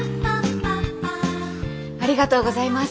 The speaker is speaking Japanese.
ありがとうございます。